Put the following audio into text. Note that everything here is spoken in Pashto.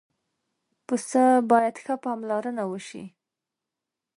پسه باید ښه پاملرنه وشي.